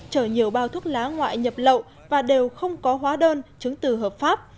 chở nhiều bao thuốc lá ngoại nhập lậu và đều không có hóa đơn chứng từ hợp pháp